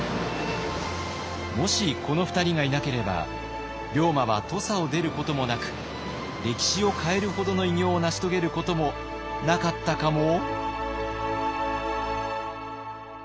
もしこの２人がいなければ龍馬は土佐を出ることもなく歴史を変えるほどの偉業を成し遂げることもなかったかも？